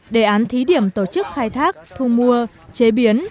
đề án thí điểm tổ chức khai thác thu mua chế biến